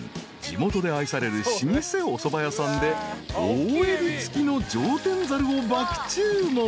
地元で愛される老舗おそば屋さんで大エビ付きの上天ざるを爆注文］